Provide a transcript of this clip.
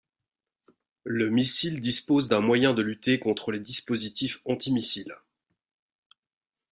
Le missile dispose d'un moyen de lutter contre les dispositifs anti-missiles.